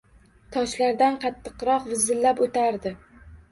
Toshlardan qattiqroq vizillab o‘tardi.